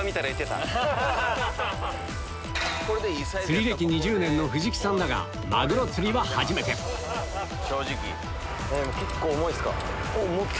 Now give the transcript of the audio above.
釣り歴２０年の藤木さんだがマグロ釣りは初めて結構重いっすか？